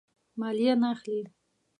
مالیه نه اخلي.